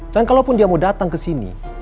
dan kalau pun dia mau datang ke sini